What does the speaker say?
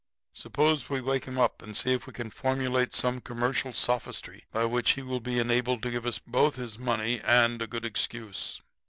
Suppose we wake him up and see if we can formulate some commercial sophistry by which he will be enabled to give us both his money and a good excuse.'